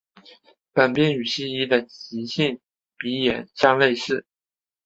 本病与西医的急性鼻炎相类似。